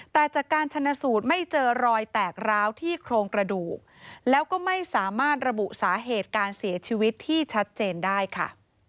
แต่จากการชนะสูตรไม่เจอรอยแตกร้าวที่โครงกระดูกแล้วก็ไม่สามารถระบุสาเหตุการเสียชีวิตที่ชัดเจนได้ค่ะ